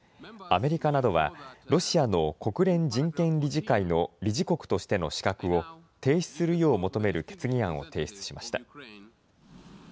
アメリカなどは、ロシアの国連人権理事会の理事国としての資格を停止するよう求める決議案を提出しました。